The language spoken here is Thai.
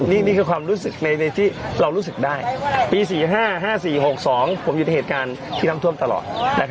นี่คือความรู้สึกในที่เรารู้สึกได้ปี๔๕๕๔๖๒ผมอยู่ในเหตุการณ์ที่น้ำท่วมตลอด